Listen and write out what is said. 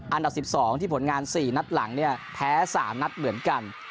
อันดับ๑๒ที่ผลงาน๔นัดหลังเนี่ยแพ้๓นัดเหมือนกัน